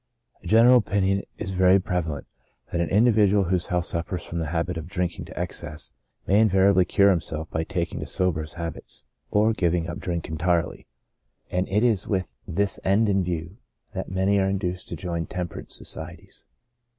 ' A general opinion is very prevalent, that an individual, whose health suffers from the habit of drinking to excess, may invariably cure himself by taking to sober habits, or giving up drink entirely ; and it is with this end in view that many are induced to join temperance societies.